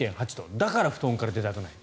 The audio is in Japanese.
だから布団から出たくない。